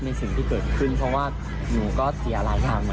ในสิ่งที่เกิดขึ้นเพราะว่าหนูก็เสียหลายทาง